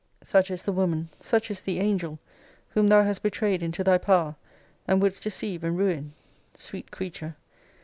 Such is the woman, such is the angel, whom thou hast betrayed into thy power, and wouldst deceive and ruin. Sweet creature!